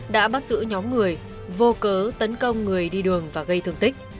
đã bắt giữ nhóm người vô cớ tấn công người đi đường và gây thương tích